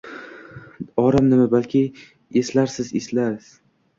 Orom nima, balki eslarsiz elas